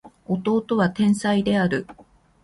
弟は天才である